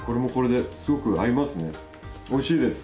おいしいです！